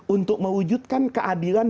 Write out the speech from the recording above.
untuk mewujudkan keadilan